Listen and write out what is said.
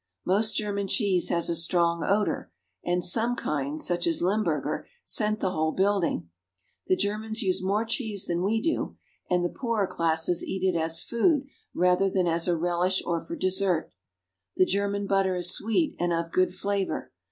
Most German cheese has a strong odor, and some kinds, such as Limburger, scent the whole build ing. The Germans use more cheese than we do, and the HOW GERMANY IS GOVERNED. 21 5 poorer classes eat it as a food rather than as a relish or for dessert. The German butter is sweet, and of good flavor.